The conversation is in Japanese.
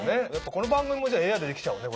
この番組もＡＩでできちゃうね。